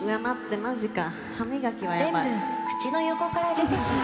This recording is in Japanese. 「全部口の横から出てしまって」